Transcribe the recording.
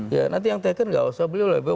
ya nanti yang taken tidak usah beli oleh beli